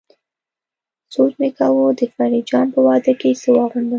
سوچ مې کاوه د فريد جان په واده کې څه واغوندم.